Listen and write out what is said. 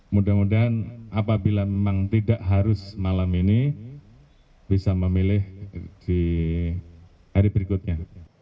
mudah mudahan apabila memang tidak harus malam ini bisa memilih di hari berikutnya